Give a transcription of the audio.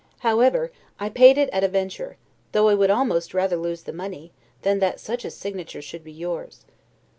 However, I paid it at a venture; though I would almost rather lose the money, than that such a signature should be yours.